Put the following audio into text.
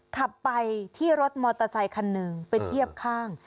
ขับไปที่รถมอเตอร์ไซคันหนึ่งไปเทียบข้าง